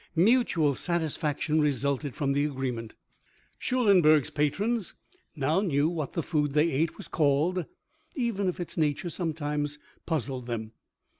Mutual satisfaction resulted from the agreement. Schulenberg's patrons now knew what the food they ate was called even if its nature sometimes puzzled them.